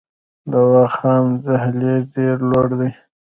د واخان دهلیز ډیر لوړ دی